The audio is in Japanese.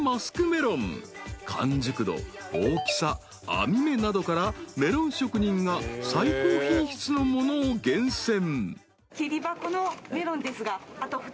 ［完熟度大きさ網目などからメロン職人が最高品質のものを厳選］